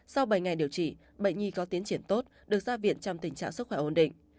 sau bảy ngày điều trị bệnh nhi có tiến triển tốt được ra viện trong tình trạng sức khỏe ổn định